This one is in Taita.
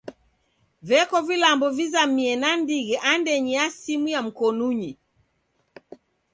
Veko vilambo vizamie nandighi andenyi ya simu ya mkonunyi.